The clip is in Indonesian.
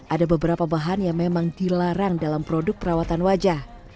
ada beberapa bahan yang memang dilarang dalam produk perawatan wajah